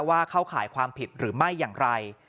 เข้าข่ายความผิดหรือไม่อย่างไร